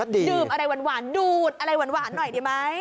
ดื่มอะไรหวานดูดอะไรหวานหน่อยดีไหม